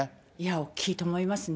大きいと思いますね。